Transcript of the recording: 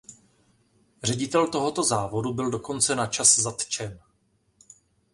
Ředitel tohoto závodu byl dokonce na čas zatčen.